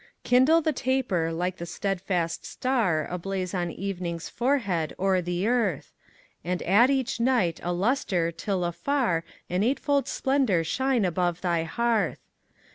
Kindle the taper like the steadfast star Ablaze on evening's forehead o'er the earth, And add each night a lustre till afar An eightfold splendor shine above thy hearth.